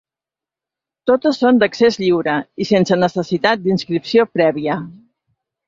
Totes són d’accés lliure, i sense necessitat d’inscripció prèvia.